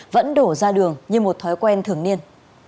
vẫn đổ ra đường như một thói quen thường niên